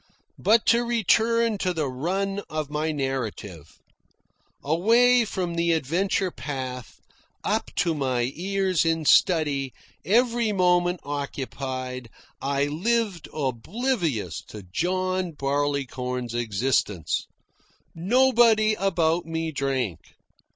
But to return to the run of my narrative. Away from the adventure path, up to my ears in study, every moment occupied, I lived oblivious to John Barleycorn's existence. Nobody about me drank.